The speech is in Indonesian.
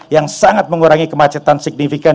yang sangat mengurangi kemacetan signifikan